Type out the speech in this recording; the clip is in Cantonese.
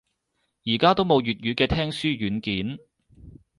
而家都冇粵語嘅聽書軟件